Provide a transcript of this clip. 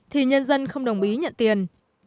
thì nhân dân không đồng ý nhận tiền